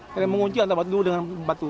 dia mengunci antar batu dengan batu